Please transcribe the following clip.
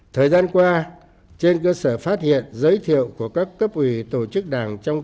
thời gian qua trên cơ sở phát hiện giới thiệu của các cấp ủy tổ chức đảng trong